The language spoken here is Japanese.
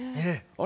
あれ？